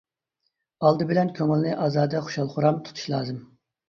ئالدى بىلەن كۆڭۈلنى ئازادە خۇشال-خۇرام تۇتۇش لازىم.